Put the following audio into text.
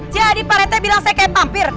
jadi pak rt bilang saya kayak vampir